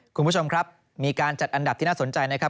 คุณผู้ชมครับมีการจัดอันดับที่น่าสนใจนะครับ